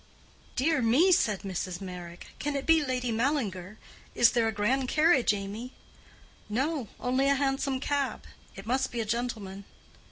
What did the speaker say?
"Dear me!" said Mrs. Meyrick; "can it be Lady Mallinger? Is there a grand carriage, Amy?" "No—only a hansom cab. It must be a gentleman."